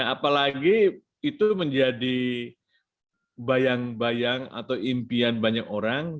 apalagi itu menjadi bayang bayang atau impian banyak orang